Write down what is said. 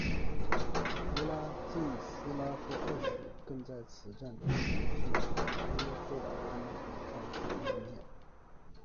弗拉季斯拉夫二世更在此战中夺去莱茵费尔登的鲁道夫的金剑。